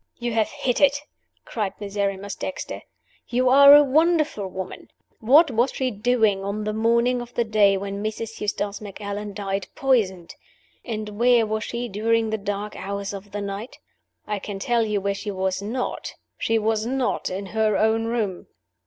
"You have hit it!" cried Miserrimus Dexter. "You are a wonderful woman! What was she doing on the morning of the day when Mrs. Eustace Macallan died poisoned? And where was she during the dark hours of the night? I can tell you where she was not she was not in her own room."